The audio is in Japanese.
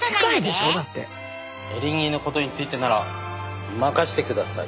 エリンギのことについてなら任してください！